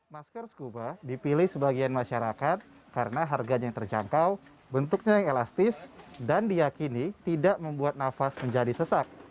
masker scuba dipilih sebagian masyarakat karena harganya yang terjangkau bentuknya yang elastis dan diakini tidak membuat nafas menjadi sesak